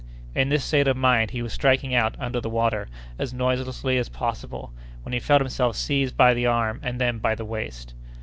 In this state of mind he was striking out under the water as noiselessly as possible when he felt himself seized by the arm and then by the waist.